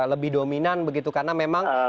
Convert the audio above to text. lebih dominan begitu karena memang